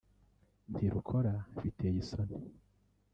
ntirukora ibiteye isoni